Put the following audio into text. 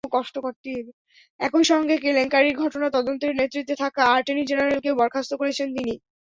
একই সঙ্গে কেলেঙ্কারির ঘটনা তদন্তের নেতৃত্বে থাকা অ্যাটর্নি জেনারেলকেও বরখাস্ত করেছেন তিনি।